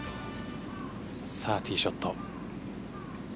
ティーショット。